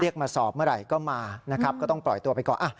เรียกมาสอบเมื่อไหร่ก็มาก็ต้องปล่อยตัวไปก่อน